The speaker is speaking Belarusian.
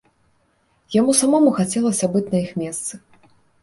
Яму самому хацелася быць на іх месцы.